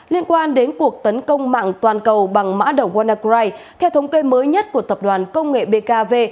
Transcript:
liên quan đến cuộc tấn công mạng toàn cầu bằng mã đầu wanacry theo thống kê mới nhất của tập đoàn công nghệ bkv